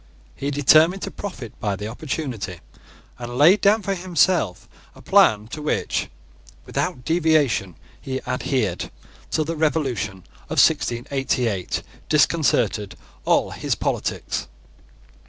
He determined to profit by the opportunity, and laid down for himself a plan to which, without deviation, he adhered, till the Revolution of 1688 disconcerted all his politics.